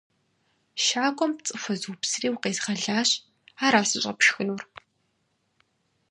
- Щакӏуэм пцӏы хуэзупсри, укъезгъэлащ. Ара сыщӏэпшхынур?